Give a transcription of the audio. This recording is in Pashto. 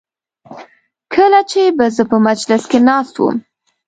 کله چې به زه په مجلس کې ناست وم.